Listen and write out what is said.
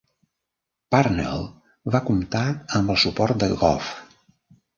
Parnell va comptar amb el suport de Gov.